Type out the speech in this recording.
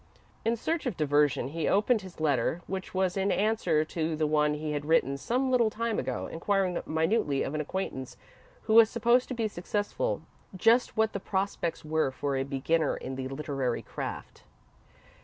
In search of diversion, he opened his letter, which was in answer to the one he had written some little time ago, inquiring minutely, of an acquaintance who was supposed to be successful, just what the prospects were for a beginner in the literary craft.